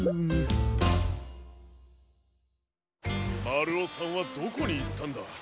まるおさんはどこにいったんだ？